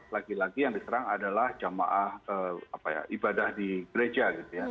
laki laki yang diserang adalah jamaah ibadah di gereja